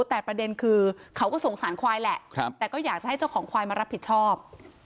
แต่ประเด็นคือเขาก็สงสารควายแหละแต่ก็อยากจะให้เจ้าของควายมารับผิดชอบ